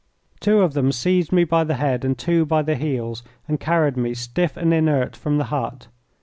Two of them seized me by the head and two by the heels, and carried me, stiff and inert, from the hut.